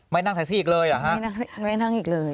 นั่งแท็กซี่อีกเลยเหรอฮะไม่นั่งอีกเลย